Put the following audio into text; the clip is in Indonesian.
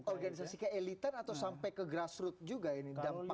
organisasi keelitan atau sampai ke grassroot juga ini dampaknya